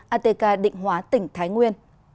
atk định hóa tỉnh thái nguyên